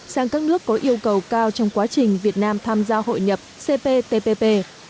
sang các nước có yêu cầu cao trong quá trình việt nam tham gia hội nhập cptpp